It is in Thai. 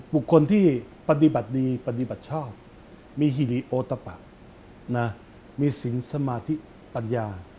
บุคคลที่ปฏิบัติดีปฏิบัติชอบมีฮิริโอตะปะมีสินสมาธิปัญญา